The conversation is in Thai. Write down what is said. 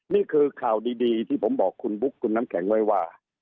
นี่คือข่าวดีที่ผมบอกคุณบุ๊คคุณน้ำแข็งไว้ว่า